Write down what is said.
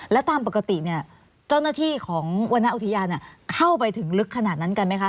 แล้วตามปกติเนี่ยเจ้าหน้าที่ของวรรณอุทยานเข้าไปถึงลึกขนาดนั้นกันไหมคะ